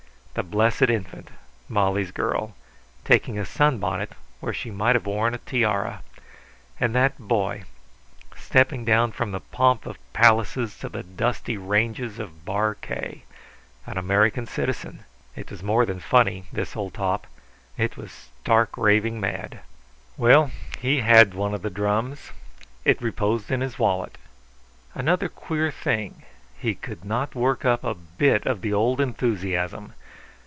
The blessed infant Molly's girl taking a sunbonnet when she might have worn a tiara! And that boy, stepping down from the pomp of palaces to the dusty ranges of Bar K. An American citizen. It was more than funny, this old top; it was stark raving mad. Well, he had one of the drums. It reposed in his wallet. Another queer thing, he could not work up a bit of the old enthusiasm.